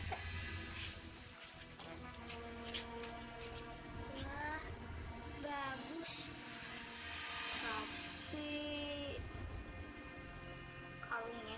sampai jumpa di video selanjutnya